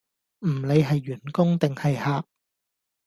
唔理係員工定係客